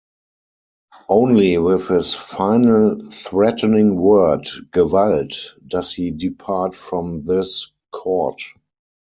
Only with his final threatening word, "Gewalt", does he depart from this chord.